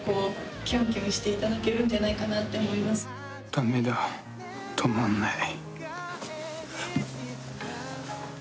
ダメだ止まんない